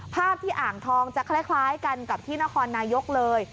ภาพที่อ่างทองจะคล้ายกันกับที่นครนายกเลย